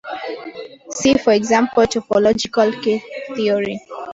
See for example topological K-theory.